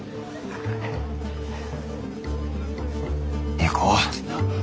行こう。